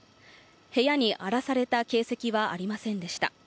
部屋に荒らされた形跡はありませんでした。